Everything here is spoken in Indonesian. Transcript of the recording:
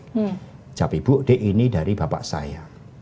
saya jawab ibu ini dari bapak saya